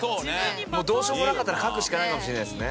もうどうしようもなかったら描くしかないかもしれないですね。